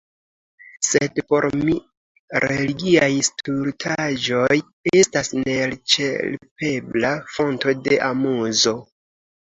Sed por mi religiaj stultaĵoj estas neelĉerpebla fonto de amuzo.